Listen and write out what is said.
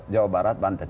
jawa barat banten